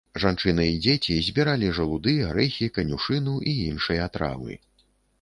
Жанчыны і дзеці збіралі жалуды, арэхі, канюшыну і іншыя травы.